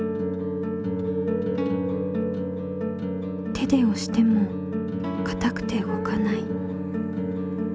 手でおしてもかたくて動かない。